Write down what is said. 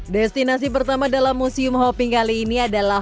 destinasi pertama dalam museum hopping kali ini adalah